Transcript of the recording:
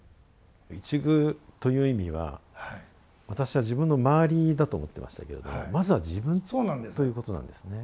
「一隅」という意味は私は自分の周りだと思ってましたけれどもまずは自分ということなんですね。